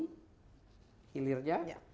yang ketiga digital economy